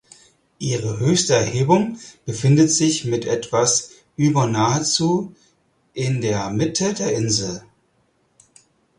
Ihre höchste Erhebung befindet sich mit etwas über nahezu in der Mitte der Insel.